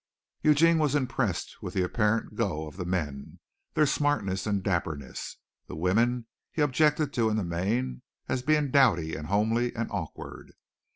Eugene was impressed with the apparent "go" of the men their smartness and dapperness. The women he objected to in the main as being dowdy and homely and awkward.